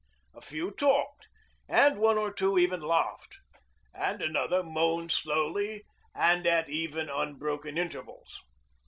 A few talked, and one or two even laughed; and another moaned slowly and at even unbroken intervals.